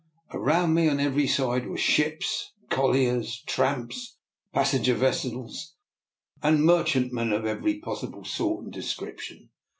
Around me on every side were ships: colliers, tramps, pas senger vessels and merchantmen of every possible sort and description.